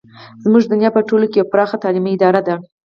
زموږ دنیا په ټوله کې یوه پراخه تعلیمي اداره ده.